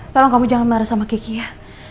tolong kamu jangan marah sama kiki ya